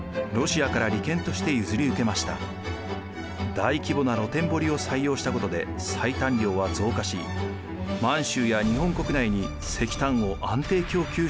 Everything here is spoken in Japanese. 大規模な露天掘りを採用したことで採炭量は増加し満州や日本国内に石炭を安定供給しました。